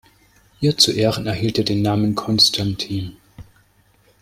Ihr zu Ehren erhielt er den Namen Constantin.